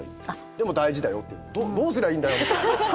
「でも大事だよ」ってどうすりゃいいんだよ。